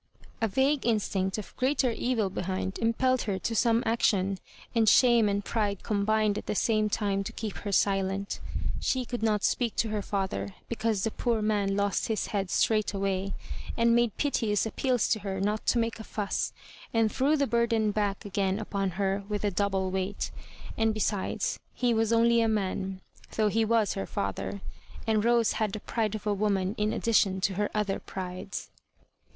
A vague instinct of greater evil behind impelled her to some action, and shame and pride combined at the same time to keep her silent She could not speak to her father, because the poor man lost his head straightway, and made piteous appeals to her not to make a fuss, and threw the burden back again upon her with a double weiglit ; and be sides, he was only a man, though he was her father, and Rose had the pride of a woman, in addition to her other prides.